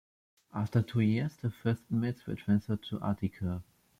After two years the first inmates were transferred to Attica.